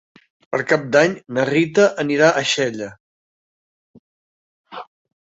Per Cap d'Any na Rita anirà a Xella.